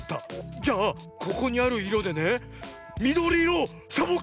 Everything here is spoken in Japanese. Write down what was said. じゃあここにあるいろでねみどりいろをサボッ